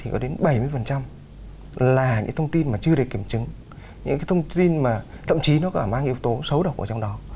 bảy mươi là những thông tin mà chưa được kiểm chứng những cái thông tin mà thậm chí nó có mang yếu tố xấu độc ở trong đó